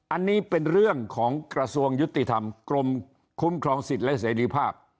อันนี้เป็นเรื่องของกระทรวงยุติธรรมกรมคุ้มครองสิทธิ์และเสรีภาพ